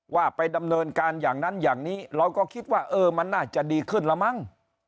ว่าไปดำเนินการอย่างนั้นอย่างนี้เราก็คิดว่าเออมันน่าจะดีขึ้นแล้วมั้ง